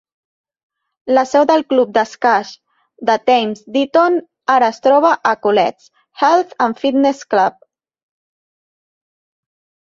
La seu del club d'esquaix de Thames Ditton ara es troba a Colets' Health and Fitness Club.